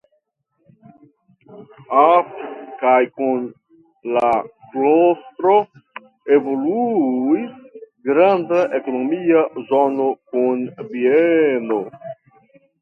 Apud kaj kun la klostro evoluis granda ekonomia zono kun bieno.